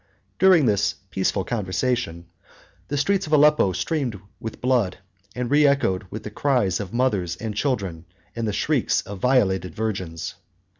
During this peaceful conversation the streets of Aleppo streamed with blood, and reechoed with the cries of mothers and children, with the shrieks of violated virgins.